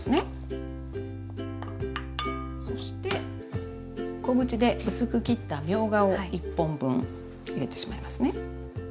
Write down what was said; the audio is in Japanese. そして小口で薄く切ったみょうがを１本分入れてしまいますね。